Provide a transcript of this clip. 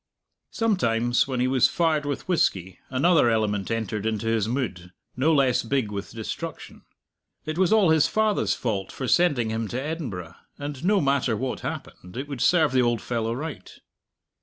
Sometimes, when he was fired with whisky, another element entered into his mood, no less big with destruction. It was all his father's fault for sending him to Edinburgh, and no matter what happened, it would serve the old fellow right!